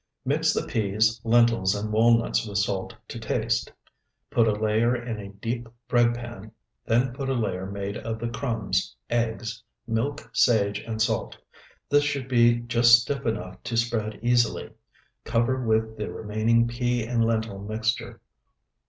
Mix the peas, lentils, and walnuts with salt to taste. Put a layer in a deep bread pan, then put a layer made of the crumbs, eggs, milk, sage, and salt. This should be just stiff enough to spread easily. Cover with the remaining pea and lentil mixture.